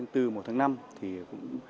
ba mươi tháng bốn một tháng năm